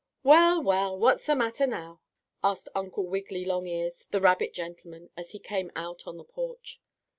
"Well, well! What's the matter now?" asked Uncle Wiggily Longears, the rabbit gentleman, as he came out on the porch.